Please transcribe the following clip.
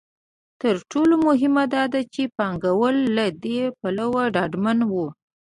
تر ټولو مهمه دا ده چې پانګوال له دې پلوه ډاډمن وو.